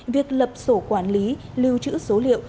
việc lập sổ quản lý lưu trữ số liệu